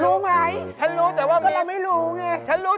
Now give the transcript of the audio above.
โอ๊ยหิวเว้ยโอ๊ย